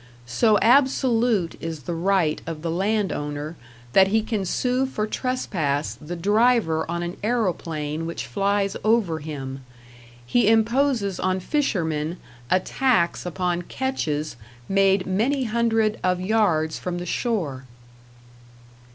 So absolute is the right of the land owner that he can sue for trespass the driver on an aeroplane which flies over him; he imposes on fishermen a tax upon catches made many hundred of yards from the shore.